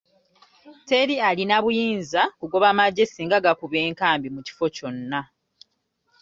Teri alina buyinza kugoba magye singa gakuba enkambi mu kifo kyonna.